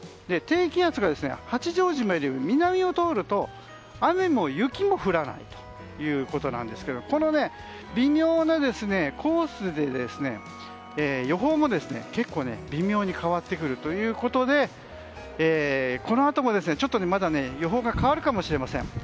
低気圧が八丈島よりも南を通ると雨も雪も降らないということなんですけどこの微妙なコースで予報も結構微妙に変わってくるということでこのあとも、まだ予報が変わるかもしれません。